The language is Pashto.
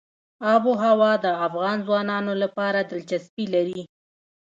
آب وهوا د افغان ځوانانو لپاره دلچسپي لري.